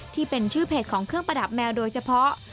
ที่เป็นชื่อเพจของเครื่องประดับแมวโดยเฉพาะ